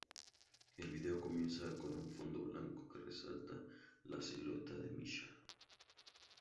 El vídeo comienza con un fondo blanco que resalta la silueta de Misha.